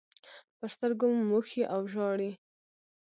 پر سترګو موښي او ژاړي.